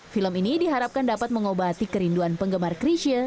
film ini diharapkan dapat mengobati kerinduan penggemar chrisha